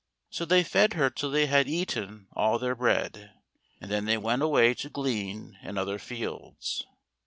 So they fed her till they had eaten all their bread, and then they went away to glean in other fields.